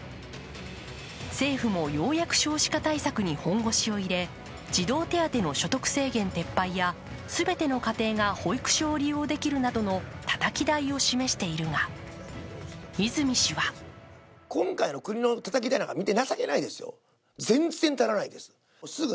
政府もようやく少子化対策に本腰を入れ児童手当の所得制限撤廃や全ての家庭が保育所を利用できるなどのたたき台を示しているが泉氏はそんな泉市長の退任を惜しむ声は多い。